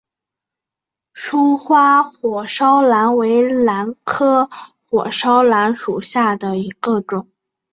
疏花火烧兰为兰科火烧兰属下的一个种。